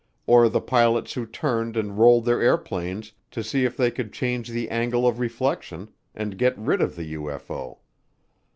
Or the pilots who turned and rolled their airplanes to see if they could change the angle of reflection and get rid of the UFO.